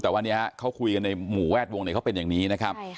แต่วันนี้เขาคุยกันในหมู่แวดวงเขาเป็นอย่างนี้นะครับ